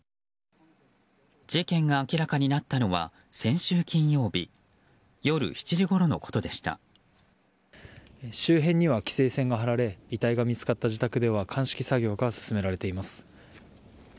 事件が明らかになったのは先週金曜日周辺には規制線が張られ遺体が見つかった自宅では鑑識作業が進められています。